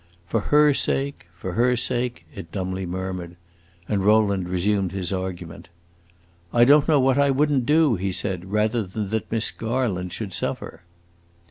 "For her sake for her sake," it dumbly murmured, and Rowland resumed his argument. "I don't know what I would n't do," he said, "rather than that Miss Garland should suffer."